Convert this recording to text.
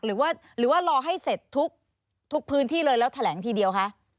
หรือว่าหรือว่ารอให้เสร็จทุกพื้นที่เลยแล้วแถลงทีเดียวคะ